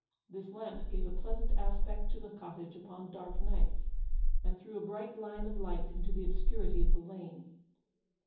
This lamp gave a pleasant aspect to the cottage upon dark nights, and threw a bright line of light into the obscurity of the lane.